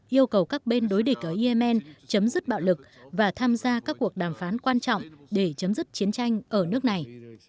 yêu cầu các bên đối địch ở yemen chấm dứt bạo lực và tham gia các cuộc đàm phán quan trọng để chấm dứt chiến tranh ở nước này